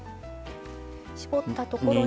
絞ったところに。